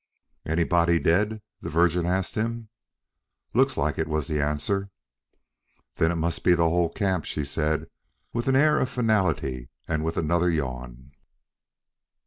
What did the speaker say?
"Anybody dead?" the Virgin asked him. "Looks like it," was the answer. "Then it must be the whole camp," she said with an air of finality and with another yawn.